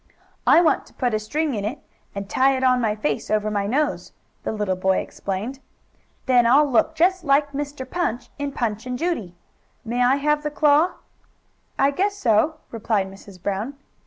"I want to put a string in it and tie it on my face, over my own nose," the little boy explained. "Then I'll look just like Mr. Punch, in Punch and Judy. May I have the claw?" "I guess so," replied Mrs. Brown.